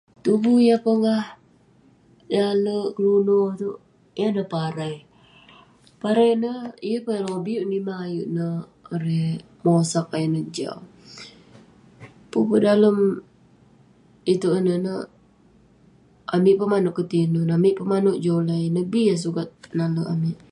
Tuvu yah pongah, yah alek keluno iteuk yah neh parai. Parai ineh yeng pe eh lobik menimah ayuk ne erei mosaq, ayuk ne jau. Pun pe dalem iteuk ineh ne, amik pe maneuk ketinun, amik pe maneuk jolai, ineh bi eh sukat nalek amik.